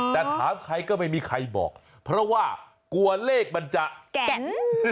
แต่ถามใครก็ไม่มีใครบอกเพราะว่ากลัวเลขมันจะแก่น